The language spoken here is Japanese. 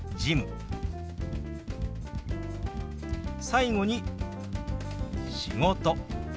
最後に「仕事」。